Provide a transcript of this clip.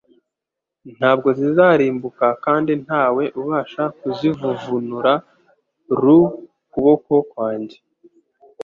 «Ntabwo zizarimbuka, kandi ntawe ubasha kuzivuvunura ruu kuboko kwanjye.»